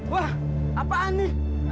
wah apaan ini